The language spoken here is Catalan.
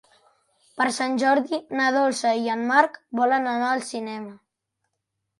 Per Sant Jordi na Dolça i en Marc volen anar al cinema.